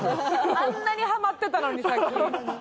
あんなにハマってたのにさっき。